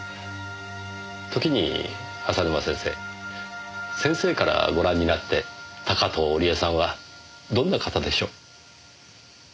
時に浅沼先生先生からご覧になって高塔織絵さんはどんな方でしょう？